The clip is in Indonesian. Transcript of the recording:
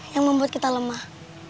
yang membuat kita lemah